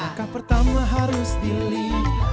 maka pertama harus dilihat